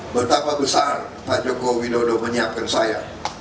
betapa besar pak jokowi dodo menyiapkan saya